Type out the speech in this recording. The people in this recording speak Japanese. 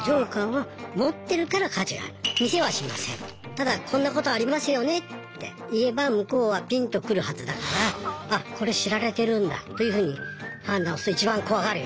ただこんなことありますよねって言えば向こうはピンと来るはずだからあこれ知られてるんだというふうに判断を一番怖がるよね。